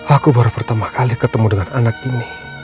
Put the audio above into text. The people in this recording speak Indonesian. aku baru pertama kali ketemu dengan anak ini